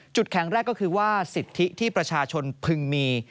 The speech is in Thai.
แข็งแรกก็คือว่าสิทธิที่ประชาชนพึงมี